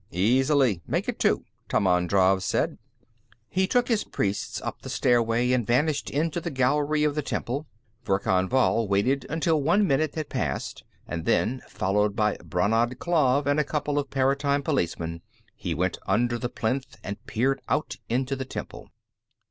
"Easily. Make it two," Tammand Drav said. He took his priests up the stairway and vanished into the gallery of the temple. Verkan Vall waited until one minute had passed and then, followed by Brannad Klav and a couple of Paratime Policemen, he went under the plinth and peered out into the temple.